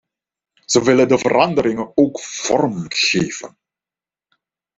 Zij willen de veranderingen ook vormgeven.